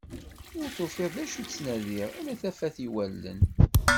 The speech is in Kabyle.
Ur tufiḍ d acu i ttnadiɣ, ala tafat i wallen.